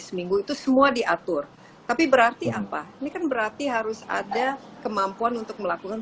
seminggu itu semua diatur tapi berarti apa ini kan berarti harus ada kemampuan untuk melakukan